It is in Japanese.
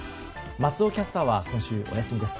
松尾キャスターは今週、お休みです。